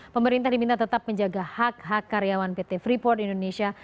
pemerintah diminta tetap menjaga hak hak karyawan pt freeport indonesia